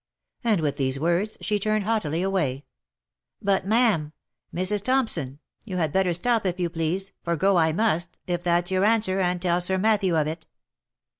And with these words, she turned haughtily away. " But, ma'am — Mrs. Thompson, you had better stop if you please, for go I must, if that's your answer, and tell Sir Matthew of it."